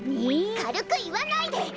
かるくいわないで！